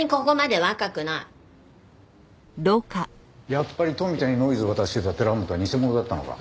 やっぱり富田にノイズを渡してた寺本は偽者だったのか。